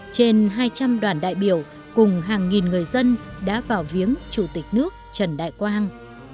trên hai trăm linh đoàn đại biểu cùng hàng nghìn người dân đã vào viếng chủ tịch nước trần đại quang